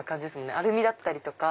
アルミだったりとか。